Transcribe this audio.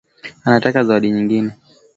Anataka zawadi nyingine